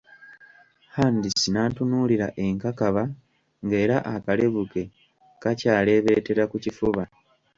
Hands n'antunuulira enkakaba ng'era akalevu ke kakyaleebeetera ku kifuba.